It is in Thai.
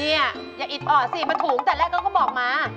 อย่าอิดออดสิมันถุงแต่แรกเขาก็บอกมา